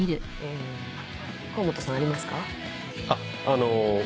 あっあの。